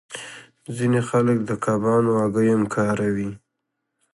ځینې خلک د کبانو هګۍ هم کاروي